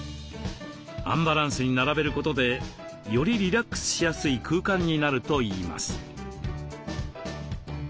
アンバランスに並べることでよりリラックスしやすい空間になるといいます。